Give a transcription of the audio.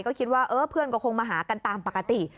ก็คิดว่าเออเพื่อนก็คงมาหากันตามปกติ